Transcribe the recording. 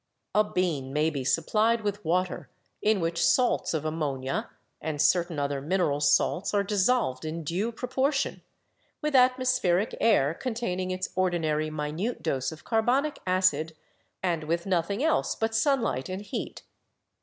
"A bean may be supplied with water in which salts of ammonia and certain other mineral salts are dissolved in due proportion, with atmospheric air containing its ordi nary minute dose of carbonic acid and with nothing else but sunlight and heat.